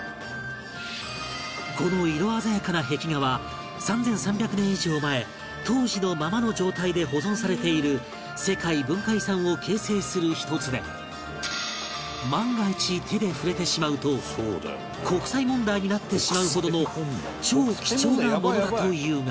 この色鮮やかな壁画は３３００年以上前当時のままの状態で保存されている世界文化遺産を形成する１つで万が一手で触れてしまうと国際問題になってしまうほどの超貴重なものだというが